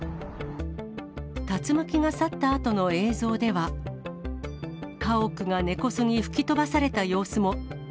竜巻が去ったあとの映像では、家屋が根こそぎ吹き飛ばされた様子も。